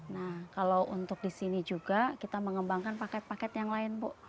nah kalau untuk di sini juga kita mengembangkan paket paket yang lain bu